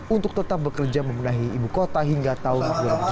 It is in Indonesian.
untuk tetap bekerja memenahi ibu kota hingga tahun dua ribu sembilan belas